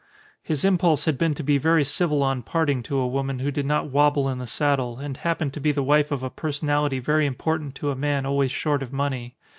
His impulse had been to be very civil on parting to a woman who did not wobble in the saddle, and happened to be the wife of a personality very important to a man always short of money.